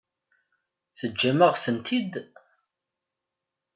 Teǧǧam-aɣ-tent-id?